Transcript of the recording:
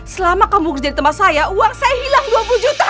selama kamu kerja di tempat saya uang saya hilang dua puluh juta